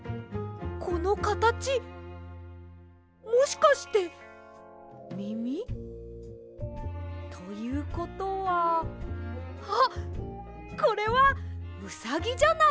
このかたちもしかしてみみ？ということはあっこれはウサギじゃないですか？